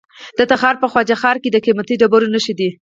د تخار په خواجه غار کې د قیمتي ډبرو نښې دي.